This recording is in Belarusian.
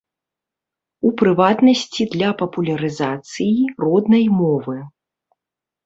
У прыватнасці, для папулярызацыі роднай мовы.